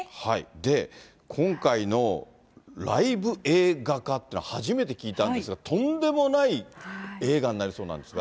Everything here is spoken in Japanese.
で、今回のライブ映画化というのは、初めて聞いたんですが、とんでもない映画になりそうなんですが。